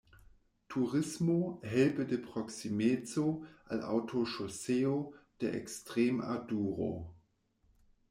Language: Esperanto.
Turismo, helpe de proksimeco al Aŭtoŝoseo de Ekstremaduro.